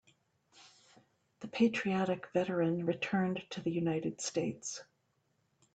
The patriotic veteran returned to the United States.